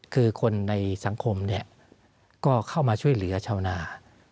คือคนในสังคมก็เข้ามาช่วยเหลือชาวนา